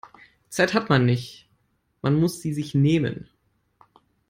Zeit hat man nicht, man muss sie sich nehmen.